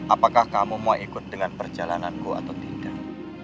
apakah kamu mau ikut dengan perjalananku atau tidak